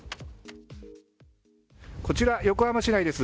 こちら横浜市内です。